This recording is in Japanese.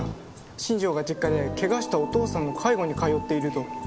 新庄が実家で怪我したお父さんの介護に通っていると。